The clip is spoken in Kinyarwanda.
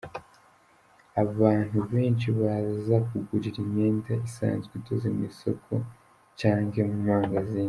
Abantu benshi baja kugurira imyenda isanzwe idoze mw'isoko canke mu mangazini.